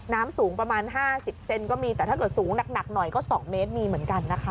น้ำสูงประมาณ๕๐เซนก็มีแต่ถ้าเกิดสูงหนักหน่อยก็๒เมตรมีเหมือนกันนะคะ